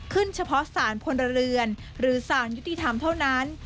เฉพาะสารพลเรือนหรือสารยุติธรรมเท่านั้น